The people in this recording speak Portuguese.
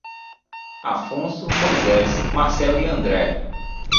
Afonso, Moisés, Marcelo e André